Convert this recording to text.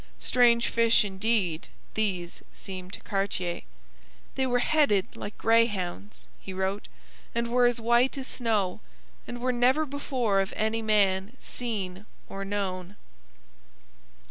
Strange fish, indeed, these seemed to Cartier. 'They were headed like greyhounds,' he wrote, 'and were as white as snow, and were never before of any man seen or known.'